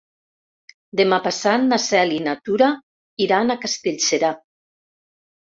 Demà passat na Cel i na Tura iran a Castellserà.